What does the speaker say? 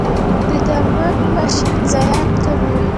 د درمند ماشین ضایعات کموي؟